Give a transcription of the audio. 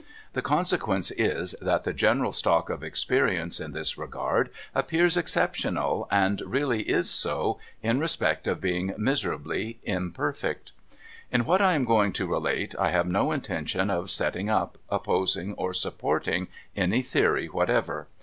The consequence is, that the general stock of experience in this regard appears exceptional, and really is so, in respect of being miserably imperfect. In what I am going to relate, I have no intention of selling up, opposing, or supporting, any theory whatever.